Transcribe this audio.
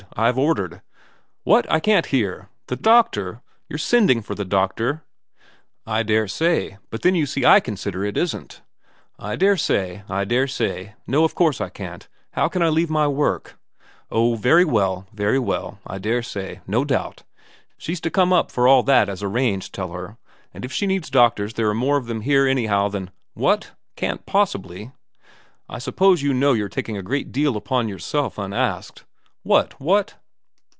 I've ordered '' What ? I can't hear. The doctor ? You're sending for the doctor ?'' I daresay. But then you see I consider it isn't.' ' I daresay, I daresay. No, of course I can't. How can I leave my work '' Oh, very well, very well. I daresay. No doubt. She's to come up for all that as arranged, tell her, and if she needs doctors there are more of them here anyhow than what ? Can't possibly ?'' I suppose you know you're taking a great deal upon yourself unasked ' 'What? What?'